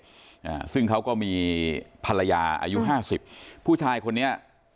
อ่าซึ่งเขาก็มีภรรยาอายุห้าสิบผู้ชายคนนี้